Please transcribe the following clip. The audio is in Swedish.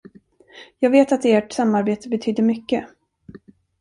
Jag vet att ert samarbete betydde mycket.